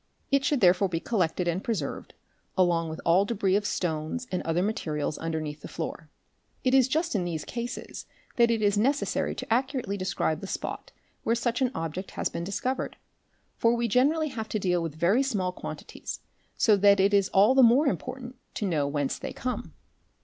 It should therefore be collected and preserved, along with all debris of stones and other materials underneath the floor. It is just in these cases that it is necessary to accurately describe the spot where such an object has been discovered, for we generally have to deal with very small quantities, so that it is all the more important to know whence they come.